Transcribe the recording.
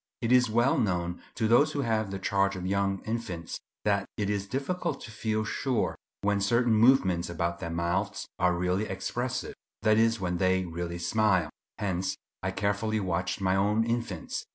It is well known to those who have the charge of young infants, that it is difficult to feel sure when certain movements about their mouths are really expressive; that is, when they really smile. Hence I carefully watched my own infants.